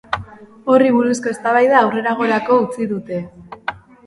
Horri buruzko eztabaida aurreragorako utzi dute.